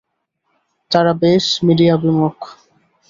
তারা বেশ মিডিয়া বিমুখ।